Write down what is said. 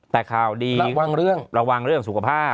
แต่คราวดีระวังเรื่องสุขภาพ